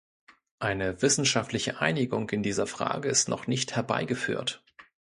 Eine wissenschaftliche Einigung in dieser Frage ist noch nicht herbeigeführt.